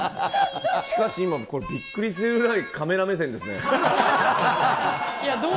しかし、これびっくりするぐらいカメラ目線ですね。